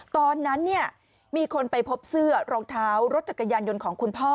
ตอนนั้นมีคนไปพบเสื้อรองเท้ารถจักรยานยนต์ของคุณพ่อ